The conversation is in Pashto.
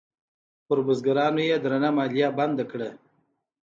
پر بزګرانو یې درنه مالیه بنده کړه.